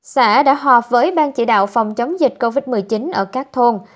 xã đã họp với ban chỉ đạo phòng chống dịch covid một mươi chín ở các thôn